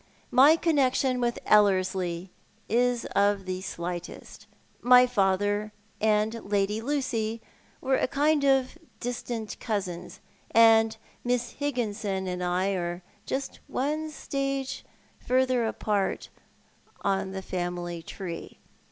My connection with EUerslie is of the slightest. My father and Lady Lucy were a kind of distant cousins, and Miss Higginson and I are just one stage farther apart on the family tree.